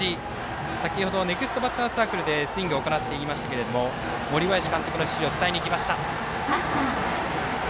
先ほどネクストバッターズサークルでスイングを行っていましたけど森林監督の指示を伝えにいきました。